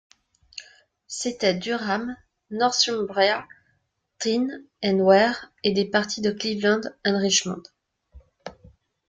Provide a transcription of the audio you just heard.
C'étaient Durham, Northumbria, Tyne and Wear, et des parties de Cleveland and Richmond.